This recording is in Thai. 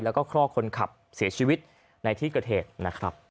แล้วก็คลอกคนขับเสียชีวิตในที่เกิดเหตุนะครับ